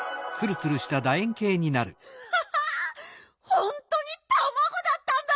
ハハッほんとにたまごだったんだ！